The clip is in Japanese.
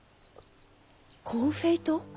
コンフェイト？